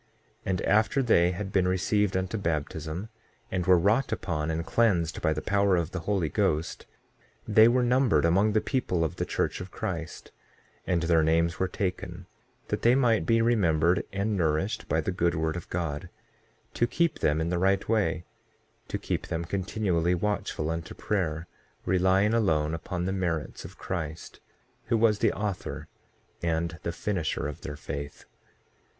6:4 And after they had been received unto baptism, and were wrought upon and cleansed by the power of the Holy Ghost, they were numbered among the people of the church of Christ; and their names were taken, that they might be remembered and nourished by the good word of God, to keep them in the right way, to keep them continually watchful unto prayer, relying alone upon the merits of Christ, who was the author and the finisher of their faith.